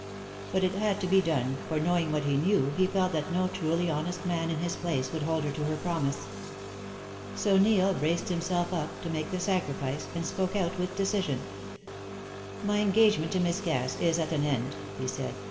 But it had to be done, for, knowing what he knew, he felt that no truly honest man in his place would hold her to her promise. So Neil braced himself up to make the sacrifice, and spoke out with decision: "My engagement to Miss Cass is at an end," he said.